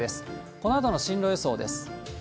このあとの進路予想です。